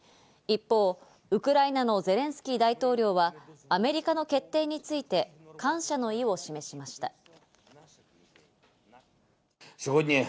一方、ウクライナのゼレンスキー大統領はアメリカの決定について感謝の意を示しました。